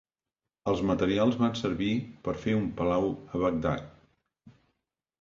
Els materials van servir per fer un palau a Bagdad.